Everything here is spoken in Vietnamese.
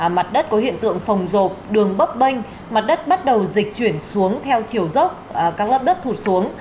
mặt đất có hiện tượng phồng rộp đường bấp bênh mặt đất bắt đầu dịch chuyển xuống theo chiều dốc các lớp đất thụt xuống